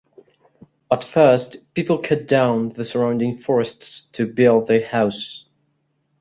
At first, people cut down the surrounding forests to build their houses.